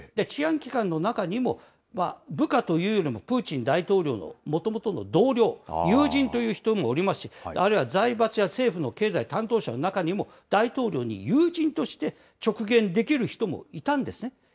治安機関の中にも、部下というよりも、プーチン大統領のもともとの同僚、友人という人もおりますし、あるいは財閥や政府の経済担当者の中にも、大統領の友人として直言できる人もいたんですね。